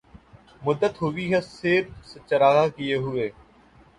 مدّت ہوئی ہے سیر چراغاں کئے ہوئے